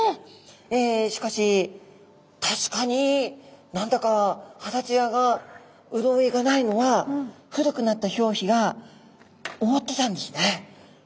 えしかし確かに何だか肌ツヤが潤いがないのは古くなった表皮が覆ってたんですね。